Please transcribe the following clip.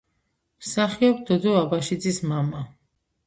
მსახიობ დოდო აბაშიძის მამა.